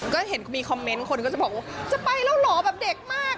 ก็เห็นมีคอมเมนต์คนก็จะบอกว่าจะไปแล้วเหรอแบบเด็กมาก